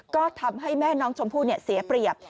ก็ทำให้แม่น้องชมพู่เสียเปรียบ